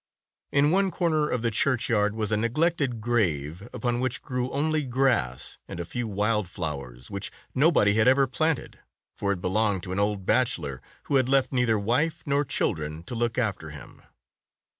In one corner of the churchyard was a neglected grave, upon which grew only grass and a few wild flowers which nobody had ever planted. For it belonged to an old bachelor who had left neither wife nor children to look after him.